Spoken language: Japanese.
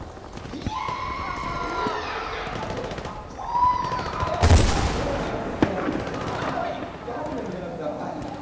いやハプニングじゃなくてあのはい。